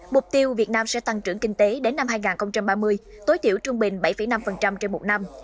mục tiêu việt nam sẽ tăng trưởng kinh tế đến năm hai nghìn ba mươi tối tiểu trung bình bảy năm trên một năm